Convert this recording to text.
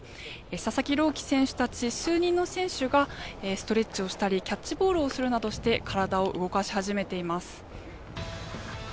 佐々木朗希選手たち数人の選手がストレッチをしたりキャッチボールをするなどして体を動かし始めています。